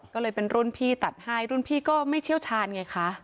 ก็เลยเป็นรุ่นพี่ตัดให้รุ่นพี่ก็ไม่เชี่ยวชาญไงคะ